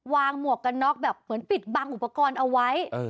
หมวกกันน็อกแบบเหมือนปิดบังอุปกรณ์เอาไว้